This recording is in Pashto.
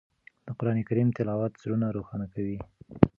د قرآن کریم تلاوت زړونه روښانه کوي.